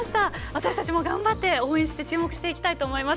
私たちも頑張って応援して、注目していきたいと思います。